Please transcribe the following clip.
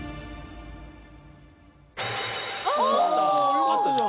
よかったじゃん。